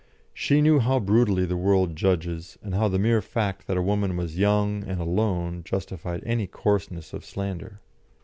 She knew how brutally the world judges, and how the mere fact that a woman was young and alone justified any coarseness of slander.